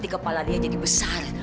kepala dia jadi besar